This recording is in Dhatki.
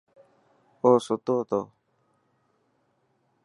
اوستو تو.